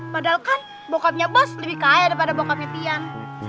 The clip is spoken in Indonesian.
padahal kan bokapnya bos lebih kaya daripada bokapnya tian